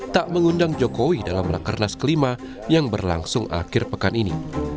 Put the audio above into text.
tak mengundang jokowi dalam rakernas kelima yang berlangsung akhir pekan ini